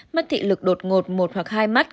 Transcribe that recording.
mất thị lực đột ngột một hoặc hai mắt